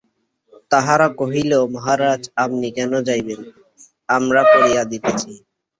তাহারা কহিল, মহারাজ, আপনি কেন যাইবেন, আমরা পাড়িয়া দিতেছি।